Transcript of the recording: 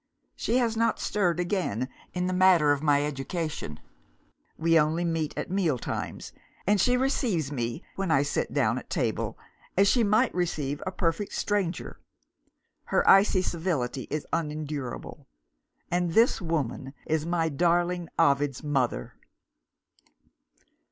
She has not stirred again, in the matter of my education. We only meet at meal times; and she receives me, when I sit down at table, as she might receive a perfect stranger. Her icy civility is unendurable. And this woman is my darling Ovid's mother!